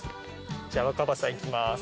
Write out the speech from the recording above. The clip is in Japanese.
じゃあ新葉さんいきます。